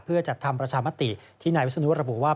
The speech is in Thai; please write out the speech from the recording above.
เพื่อจัดทำประชามติที่นายวิศนุระบุว่า